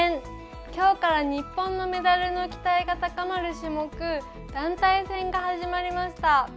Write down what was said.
きょうから日本のメダルの期待が高まる種目団体戦が始まりました。